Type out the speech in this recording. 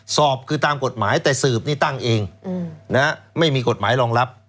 สอบคือตามกฎหมายแต่สืบนี่ตั้งเองไม่มีกฎหมายรองรับ